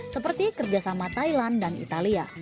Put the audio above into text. seperti kerjasama thailand dan italia